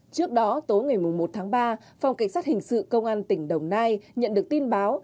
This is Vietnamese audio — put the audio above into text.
trước đó tối ngày một tháng ba phòng cảnh sát hình sự công an tỉnh đồng nai nhận được tin báo